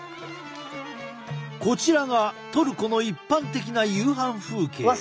こちらがトルコの一般的な夕飯風景。